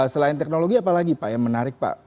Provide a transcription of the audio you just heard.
selain teknologi apalagi pak yang menarik pak